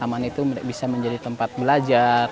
taman itu bisa menjadi tempat belajar